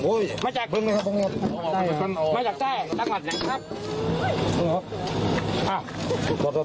โอ้โฮมาจากใต้ตั้งแต่ง